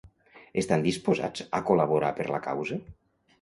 Estan disposats a col·laborar per la causa?